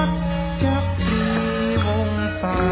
ทรงเป็นน้ำของเรา